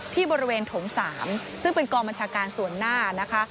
ที่บริเวณโถง๓ซึ่งเป็นกองบัญชาการส่วนหน้านะคะ